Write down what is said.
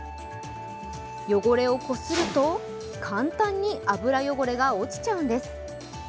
汚れをこすると簡単に油汚れが落ちちゃうんです。